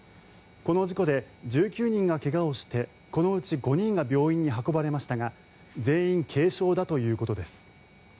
この事故で、１９人が怪我をしてこのうち５人が病院に運ばれましたが全員軽傷だということです。